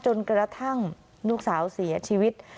จนกระทั่งลูกสาวเสียชีวิต